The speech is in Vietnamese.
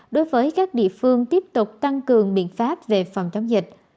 đối với các địa phương tiếp tục tăng cường biện pháp về phòng chống dịch